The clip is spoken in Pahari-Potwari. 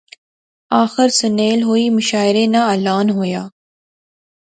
آخر سنیل ہوئی، مشاعرے ناں اعلان ہویا